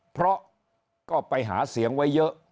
เพราะก็ไปหาเสียงไว้เยอะ